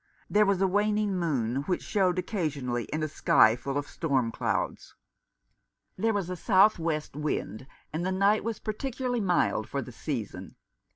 There was a waning moon, which showed occasionally in a sky full of storm clouds. There was a south west wind, and the night was particularly mild for the season.